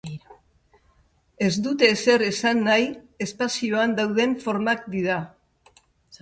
Ez dute ezer esan nahi: espazioan dauden formak dira.